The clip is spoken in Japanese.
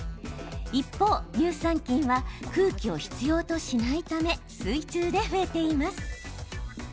一方、乳酸菌は空気を必要としないため水中で増えています。